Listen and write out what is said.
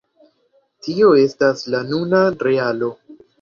tio estas la nuna realo.